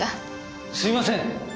すいません！